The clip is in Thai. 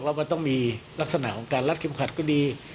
แล้วมันต้องมีลักษณะของการรัดเข็มขัดก็ดี